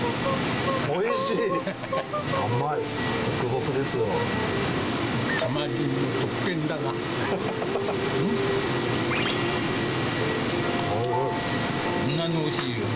おいしい！